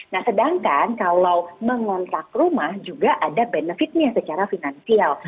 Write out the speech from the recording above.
nah sedangkan kalau mengontrak rumah juga ada benefitnya secara finansial